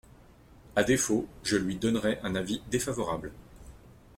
À défaut, je lui donnerai un avis défavorable.